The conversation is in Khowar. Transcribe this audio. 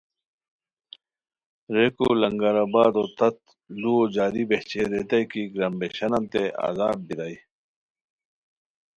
ریکو لنگرآبادو تت لوؤ جاری بہچئے ریتائے کی گرامبیشانانتے عذاب بیرائے